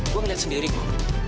gua ngeliat sendiri bu